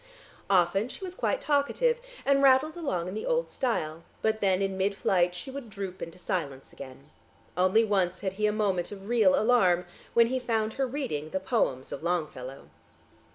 Often she was quite talkative, and rattled along in the old style, but then in midflight she would droop into silence again. Only once had he a moment of real alarm, when he found her reading the poems of Longfellow....